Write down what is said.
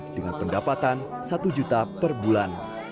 dengan pendapatan satu juta per bulan